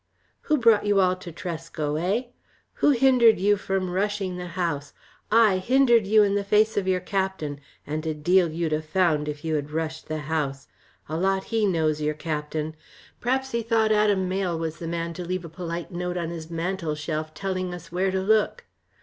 "Who brought you all to Tresco, eh? Who hindered you from rushing the house, ay, hindered you in the face of your captain, and a deal you'ld ha' found if you had rushed the house. A lot he knows, your captain. P'raps he thought Adam Mayle was the man to leave a polite note on his mantelshelf, telling us where to look.